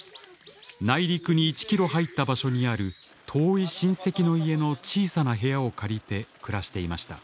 内陸に１ｋｍ入った場所にある遠い親戚の家の小さな部屋を借りて暮らしていました。